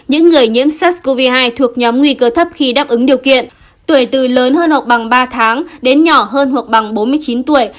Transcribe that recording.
những người nhiễm sars cov hai thuộc nhóm nguy cơ thấp khi đáp ứng điều kiện tuổi từ lớn hơn hoặc bằng ba tháng đến nhỏ hơn hoặc bằng bốn mươi chín tuổi